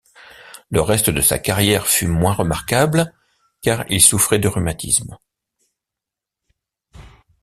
Le reste de sa carrière fut moins remarquable car il souffrait de rhumatisme.